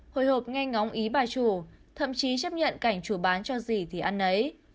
hồi hộp nghe ngóng ý bà chủ thậm chí chấp nhận cảnh chủ bán cho gì thì ăn ấy